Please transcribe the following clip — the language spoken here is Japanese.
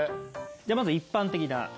じゃあまず一般的な。